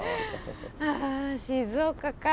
ああ静岡か。